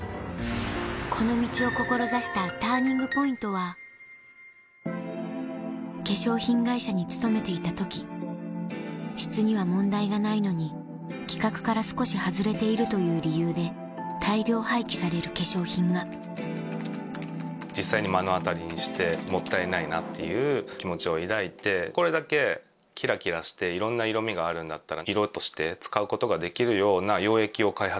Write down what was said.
この道を志したＴＵＲＮＩＮＧＰＯＩＮＴは質には問題がないのに規格から少し外れているという理由で大量廃棄される化粧品が実際に目の当たりにしてもったいないなっていう気持ちを抱いてこれだけキラキラしていろんな色味があるんだったら。